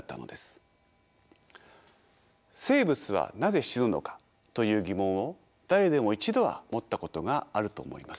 生物はなぜ死ぬのかという疑問を誰でも一度は持ったことがあると思います。